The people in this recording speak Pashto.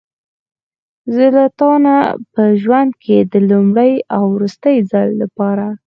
زه له تا نه په ژوند کې د لومړي او وروستي ځل لپاره.